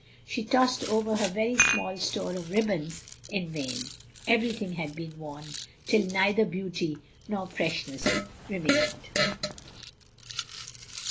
She tossed over her very small store of ribbons in vain; everything had been worn till neither beauty nor freshness remained.